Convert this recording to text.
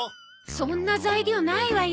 そんな材料ないわよ。